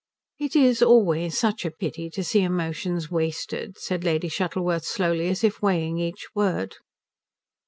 "It is always such a pity to see emotions wasted," said Lady Shuttleworth slowly, as if weighing each word.